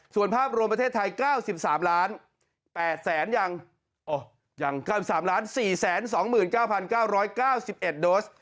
ส่วนภาพโรงประเทศไทย๙๓๘๙๑โดส